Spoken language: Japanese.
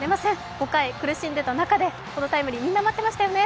５回苦しんでいた中でこのタイムリーみんな待ってましたよね。